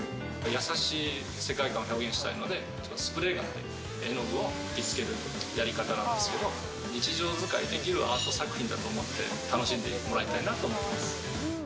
優しい世界観を表現したいので、スプレーガンで絵の具を吹きつけるやり方なんですけど、日常使いできるアート作品だと思って、楽しんでもらいたいなと思